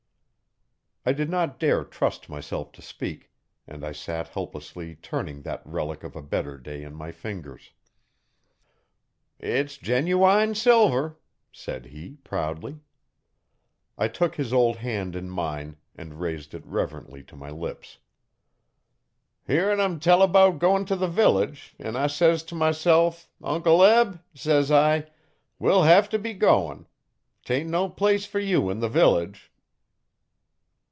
I did not dare trust myself to speak, and I sat helplessly turning that relic of a better day in my fingers. 'It's genuwine silver,' said he proudly. I took his old hand in mine and raised it reverently to my lips. 'Hear'n 'em tell 'bout goin' t' the village, an' I says t' myself, "Uncle Eb," says I, "we'll hev t' be goin'. 'Tain' no place fer you in the village."'